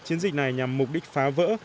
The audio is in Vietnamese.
chiến dịch này nhằm mục đích phá vỡ